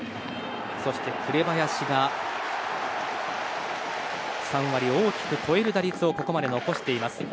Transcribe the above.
紅林が３割を大きく超える打率をここまで残しています。